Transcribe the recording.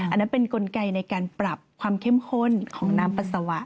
อันนั้นเป็นกลไกในการปรับความเข้มข้นของน้ำปัสสาวะ